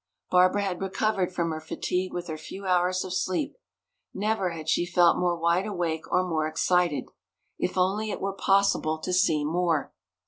Barbara had recovered from her fatigue with her few hours of sleep. Never had she felt more wide awake or more excited. If only it were possible to see more.